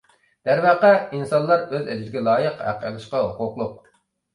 دەرۋەقە، ئىنسانلار ئۆز ئەجرىگە لايىق ھەق ئېلىشقا ھوقۇقلۇق.